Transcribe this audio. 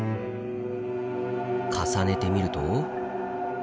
重ねてみると。